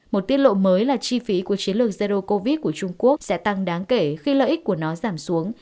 một tiết lộ mới là chi phí của chiến lược zero covid của trung quốc sẽ tăng đáng kể khi lợi ích của nó giảm xuống